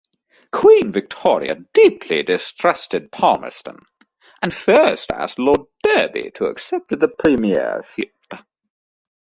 Queen Victoria deeply distrusted Palmerston and first asked Lord Derby to accept the premiership.